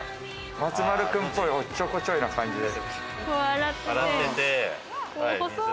松丸君ぽい、おっちょこちょいな感じで。